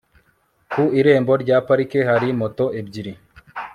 ku irembo rya parike hari moto ebyiri